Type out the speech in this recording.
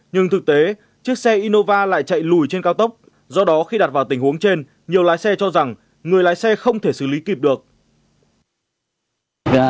nhưng thực tế chiếc xe innova lại chạy lùi trên cao tốc do đó khi đặt vào tình huống trên nhiều lái xe cho rằng người lái xe không thể xử lý kịp được